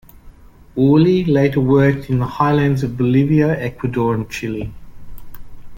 Uhle later worked in the highlands of Bolivia, Ecuador, and Chile.